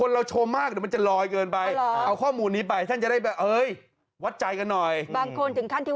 เฮ้ยฟักฟันละล้านียังไม่มี